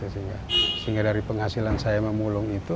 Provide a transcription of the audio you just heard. sehingga dari penghasilan saya memulung itu